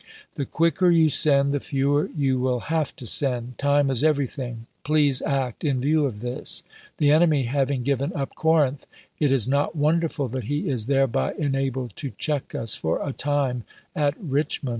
The quicker you send, the fewer you will have to send. Time is everything ; please act in view of this. The enemy having given up Lincoln Corinth, it is not wonderful that he is thereby en Governors, abled to check us for a time at Richmond."